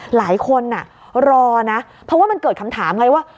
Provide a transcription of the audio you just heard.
หลายคนรอนะเพราะว่ามันเกิดคำถามไงว่า